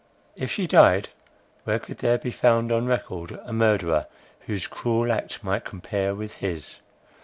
If she died, where could there be found on record a murderer, whose cruel act might compare with his?